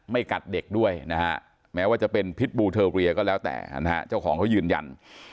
กัดเด็กด้วยนะฮะแม้ว่าจะเป็นพิษบูเทอเรียก็แล้วแต่นะฮะเจ้าของเขายืนยัน